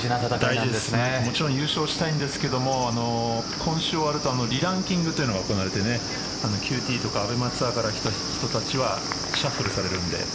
もちろん優勝したいんですが今週終わるとリランキングというのが行われてＱＴとかＡＢＥＭＡツアーから来た人たちはシャッフルされるので。